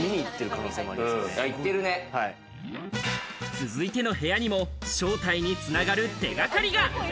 続いての部屋にも正体に繋がる手掛かりが。